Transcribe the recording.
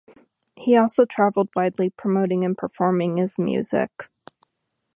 He also traveled widely promoting and performing his music.